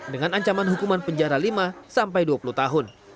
dengan ancaman hukuman penjara lima sampai dua puluh tahun